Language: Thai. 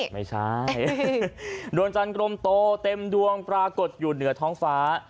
ไม่ใช่ดวงจันทร์กรมโตเต็มดวงปรากฏอยู่เหนือท้องฟ้า